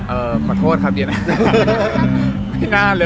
เออขอโทษค่ะเดินหน้า